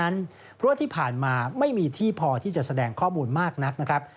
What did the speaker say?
เพราะว่าที่ผ่านมาไม่มีที่พอที่จะแสดงข้อมูลมากนักนะครับ